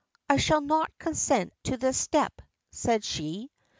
"I shall not consent to this step," said she.